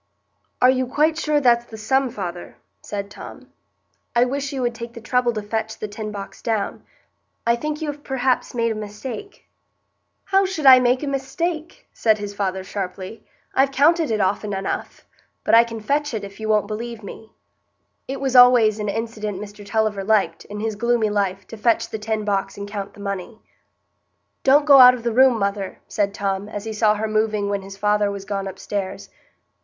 "Are you quite sure that's the sum, father?" said Tom. "I wish you would take the trouble to fetch the tin box down. I think you have perhaps made a mistake." "How should I make a mistake?" said his father, sharply. "I've counted it often enough; but I can fetch it, if you won't believe me." It was always an incident Mr Tulliver liked, in his gloomy life, to fetch the tin box and count the money. "Don't go out of the room, mother," said Tom, as he saw her moving when his father was gone upstairs.